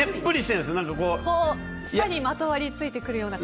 舌にまつわりついてくるような。